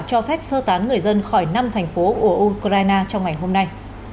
cho phép sơ tán người dân khỏi năm thành phố của ukraine trong ngày hôm nay